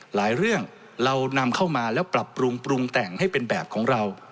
หลายเรื่องเรานำเข้ามาแล้วปรับปรุงปรุงแต่งให้เป็นแบบของเรา